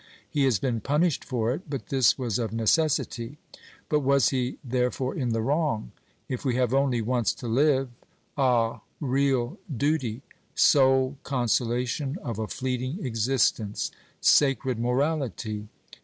He has been punished for it, but this was of necessity ; but was he therefore in the wrong? If we have only once to live. ... Ah real duty ! Sole con solation of a fleeting existence ! Sacred morality